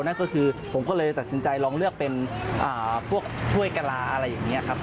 นั่นก็คือผมก็เลยตัดสินใจลองเลือกเป็นพวกถ้วยกะลาอะไรอย่างนี้ครับ